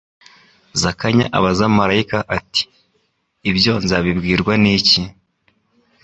Zakanya abaza maraika ati : "Ibyo nzabibwirwa n'iki?